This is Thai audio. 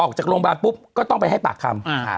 ออกจากโรงพยาบาลปุ๊บก็ต้องไปให้ปากคำ